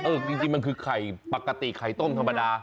จริงมันคือไข่ปกติไข่ต้มธรรมดา